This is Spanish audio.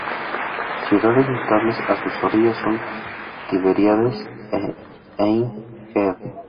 Ciudades notables a sus orillas son Tiberíades y Ein Gev.